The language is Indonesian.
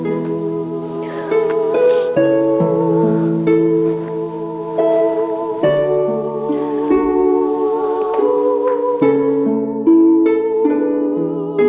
biar aku bisa menunjukkan kepadamu